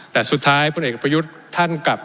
แต่สุดท้ายพลเอกประยุทธ์ท่านกลับ